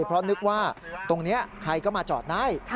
เพราะนึกว่าตรงนี้ใครก็มาจอดได้